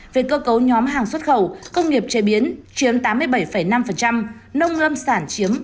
về cơ cấu nhóm hàng xuất khẩu công nghiệp chế biến chiếm tám mươi bảy năm nông ngâm sản chiếm tám chín